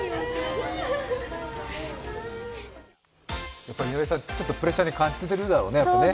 やっぱり井上さんは結構プレッシャーに感じていただろうね。